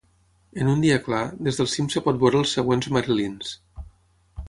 En un dia clar, des del cim es pot veure els següents Marilyns.